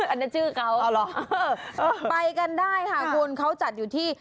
อันนั้นชื่อเขาไปกันได้ค่ะคุณเขาจัดอยู่ที่